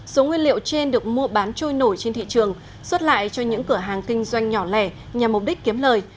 số nguyên liệu trên được mua bán trôi nổi trên thị trường xuất lại cho những cửa hàng kinh doanh nhỏ lẻ nhằm mục đích kiếm lời